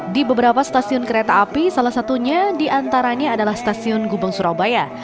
di beberapa stasiun kereta api salah satunya diantaranya adalah stasiun gubeng surabaya